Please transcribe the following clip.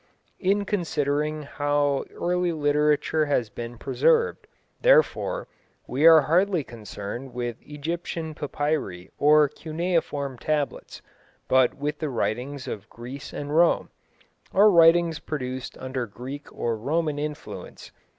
In considering how early literature has been preserved, therefore, we are hardly concerned with Egyptian papyri or cuneiform tablets, but with the writings of Greece and Rome, or writings produced under Greek or Roman influence.